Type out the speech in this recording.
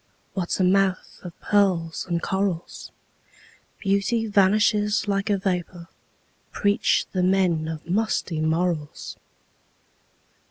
What 's a mouth of pearls and corals? Beauty vanishes like a vapor, Preach the men of musty morals!